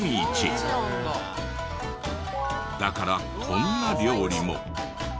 だからこんな料理も。